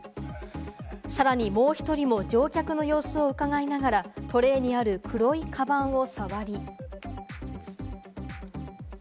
さらに、もう一人も乗客の様子を伺いながらトレーにある黒いカバンをさわり。